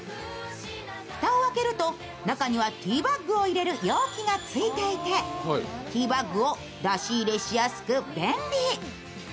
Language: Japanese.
蓋を開けると中にはティーバッグを入れる容器がついていてティーバッグを出し入れしやすく、便利。